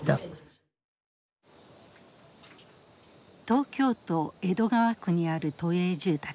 東京都江戸川区にある都営住宅。